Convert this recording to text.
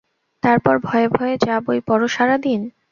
তারপর ভয়ে ভয়ে যা বই পড় সারাদিন।